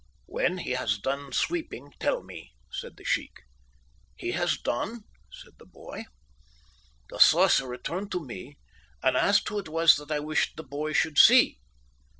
"'When he has done sweeping, tell me,' said the sheikh. "'He has done,' said the boy. "The sorcerer turned to me and asked who it was that I wished the boy should see.